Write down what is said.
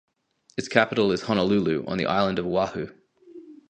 Its capital is Honolulu on the island of Oahu.